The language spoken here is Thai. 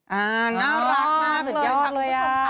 น่ารักมากเลยครับคุณผู้ชมค่ะสุดยอดเลย